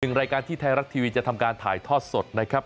รายการที่ไทยรัฐทีวีจะทำการถ่ายทอดสดนะครับ